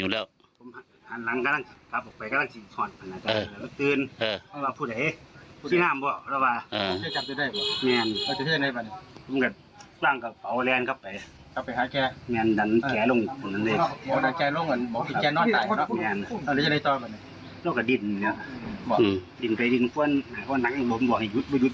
แล้วว่า